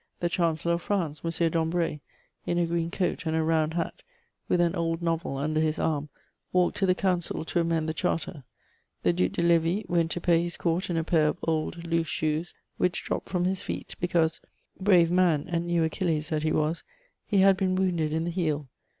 The Chancellor of France, M. Dambray, in a green coat and a round hat, with an old novel under his arm, walked to the Council to amend the Charter; the Duc de Lévis went to pay his court in a pair of old loose shoes, which dropped from his feet, because, brave man and new Achilles that he was, he had been wounded in the heel.